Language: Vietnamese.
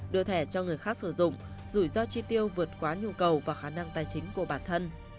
đưa thẻ cho người khác sử dụng rủi ro chi tiêu vượt quá nhu cầu và khả năng tài chính của bản thân